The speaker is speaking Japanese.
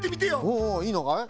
おおいいのかい？